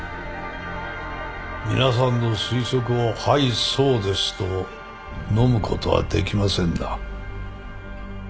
皆さんの推測をはいそうですとのむことはできませんな。